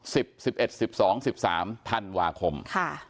สิบสิบเอ็ดสิบสองสิบสามธันวาคมค่ะ